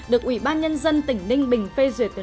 được ủy ban nhân dân tỉnh ninh bình phê duyệt từ năm hai nghìn một